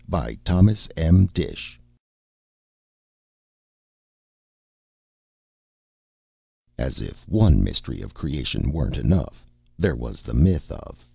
|||++ _As if one mystery of creation weren't enough, there was the myth of